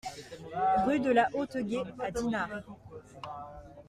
Rue de la Haute Guais à Dinard